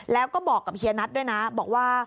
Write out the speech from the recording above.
แล้วก็บอกกับเฮียนัทด้วยนะบอกว่า